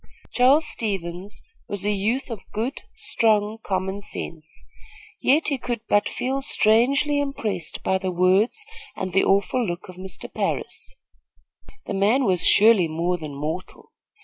Charles Stevens was a youth of good strong, common sense; yet he could but feel strangely impressed by the words and the awful look of Mr. Parris. The man was surely more than mortal.